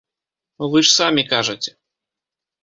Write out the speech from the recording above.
Вы ж самі кажаце.